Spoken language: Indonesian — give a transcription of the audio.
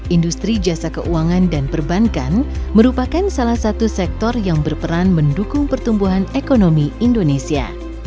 industri jasa keuangan dan perbankan merupakan salah satu sektor yang berperan mendukung pertumbuhan ekonomi indonesia